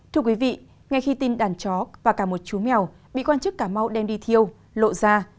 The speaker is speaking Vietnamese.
thưa quý vị ngay khi tin đàn chó và cả một chú mèo bị quan chức cà mau đem đi thiêu lộ ra